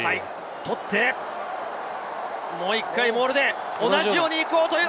取って、もう１回モールで同じように行こうという。